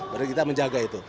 berarti kita menjaga itu